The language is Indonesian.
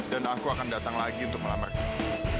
dan aku akan datang lagi untuk melamarkannya